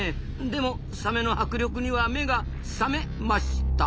でもサメの迫力には目がサメました。